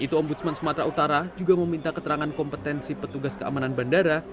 itu ombudsman sumatera utara juga meminta keterangan kompetensi petugas keamanan bandara